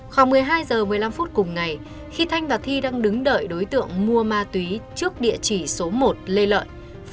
khoảng một mươi hai h một mươi năm phút cùng ngày khi thanh và thi đang đứng đợi đối tượng mua ma túy trước địa chỉ số một lê lợi